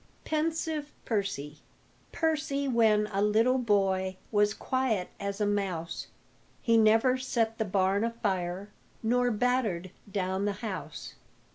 PENSIVE PERCY Percy when a little boy Was quiet as a mouse, He never set the barn afire Nor battered down the house.